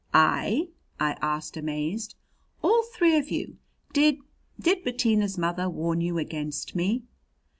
"I?" I asked, amazed. "All three of you. Did did Bettina's mother warn you against me?"